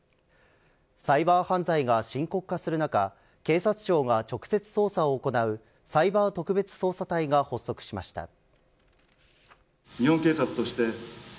サイバー犯罪が深刻化する中警察庁が直接捜査を行うサイバー特別捜査隊が発足しました。